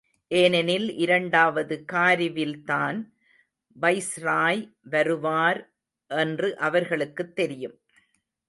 ஏனெனில் இரண்டாவது காரிவில்தான் வைஸ்ராய் வருவார் என்று அவர்களுக்குத் தெரியும்.